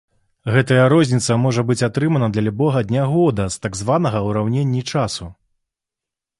Гэтая розніца можа быць атрымана для любога дня года з так званага ўраўненні часу.